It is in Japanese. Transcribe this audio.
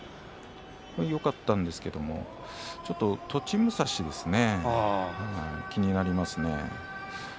よかったんですけどちょっと栃武蔵ですね気になりますね。